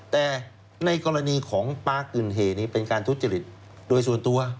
แต่ในกรณีของปลากึนเหนี้เป็นการทุจริตโดยส่วนตัว